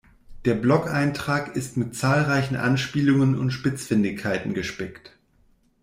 Der Blogeintrag ist mit zahlreichen Anspielungen und Spitzfindigkeiten gespickt.